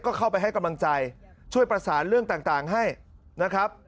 ก็เข้าไปให้กำลังใจช่วยประสานเรื่องต่างให้นะครับ